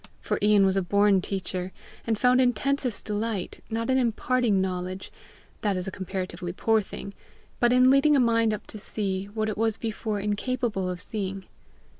For Ian was a born teacher, and found intensest delight, not in imparting knowledge that is a comparatively poor thing but in leading a mind up to see what it was before incapable of seeing.